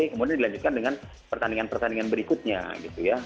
kemudian dilanjutkan dengan pertandingan pertandingan berikutnya gitu ya